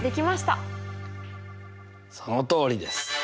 そのとおりです。